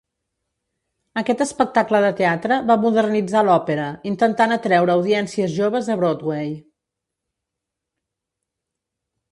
Aquest espectacle de teatre va modernitzar l'òpera, intentant atreure a audiències joves a Broadway.